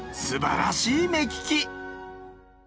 すばらしい目利き！